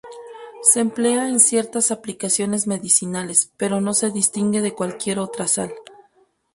Se emplea en ciertas aplicaciones medicinales, pero no se distingue de cualquier otra sal.